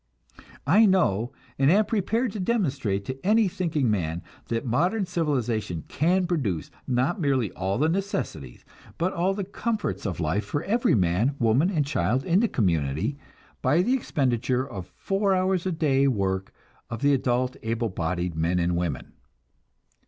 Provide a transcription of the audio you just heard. I know, and am prepared to demonstrate to any thinking man, that modern civilization can produce, not merely all the necessities, but all the comforts of life for every man, woman and child in the community, by the expenditure of four hours a day work of the adult, able bodied men and women.